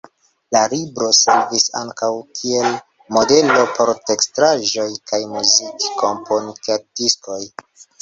La libro servis ankaŭ kiel modelo por teatraĵoj kaj muzik-kompaktdiskoj.